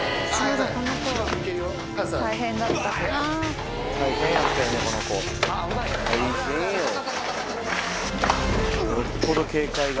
よっぽど警戒が。